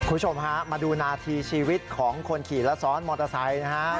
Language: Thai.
คุณผู้ชมฮะมาดูนาทีชีวิตของคนขี่และซ้อนมอเตอร์ไซค์นะฮะ